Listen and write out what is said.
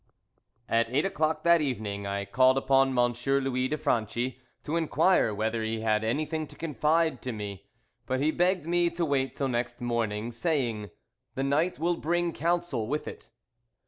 AT eight o'clock that evening I called upon M. Louis de Franchi, to inquire whether he had anything to confide to me. But he begged me to wait till next morning, saying: "The night will bring counsel with it."